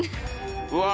うわ。